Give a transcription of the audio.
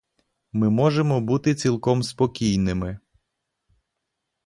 Ми можемо бути цілком спокійними.